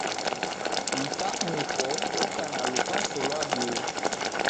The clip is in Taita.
Mka muko oka na lukaso lwa duu